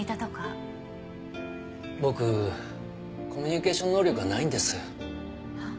僕コミュニケーション能力がないんです。は？